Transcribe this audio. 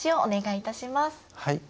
はい。